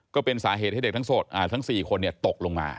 ก็เป็นสาเหตุให้เด็กทั้ง๔คนตกลงมา